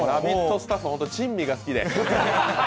スタッフ、珍味が好きで。